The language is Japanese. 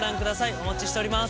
お待ちしております。